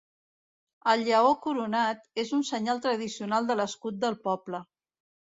El lleó coronat és un senyal tradicional de l'escut del poble.